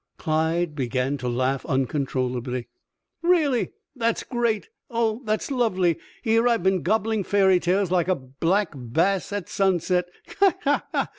Clyde began to laugh uncontrollably. "Really! That's great! Oh, that's lovely! Here I've been gobbling fairy tales like a black bass at sunset. He! he!